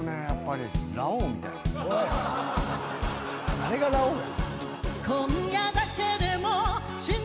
誰がラオウや。